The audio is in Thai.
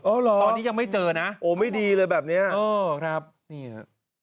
อ๋อเหรอโอ้ไม่ดีเลยแบบเนี่ยตอนนี้ยังไม่เจอนะเออครับนี่เหรอ